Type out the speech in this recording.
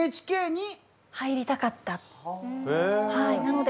ＮＨＫに入りたかったんですか？